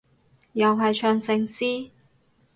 又係唱聖詩？